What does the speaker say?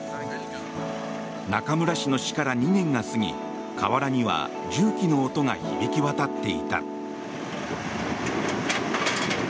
中村氏の死から２年が過ぎ河原には重機の音が響き渡っていた。